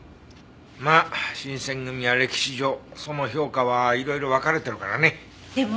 まあ新選組は歴史上その評価はいろいろ分かれてるからね。